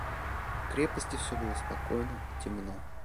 В крепости все было спокойно и темно.